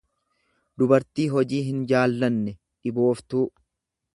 dubartii hojii hinjaallanne, dhibooftuu.